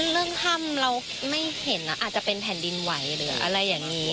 เรื่องทำเราไม่เห็นอาจจะเป็นแผ่นดินไหวีดูอะไรอย่างนี้